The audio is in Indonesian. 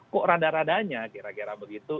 kok rada radanya kira kira begitu